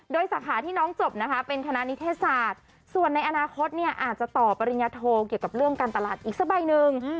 โดยสาขาที่น้องจบนะคะเป็นคณะนิเทศศาสตร์ส่วนในอนาคตเนี่ยอาจจะต่อปริญญาโทเกี่ยวกับเรื่องการตลาดอีกสักใบหนึ่ง